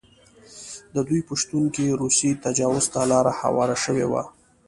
د دوی په شتون کې روسي تجاوز ته لاره هواره شوې وه.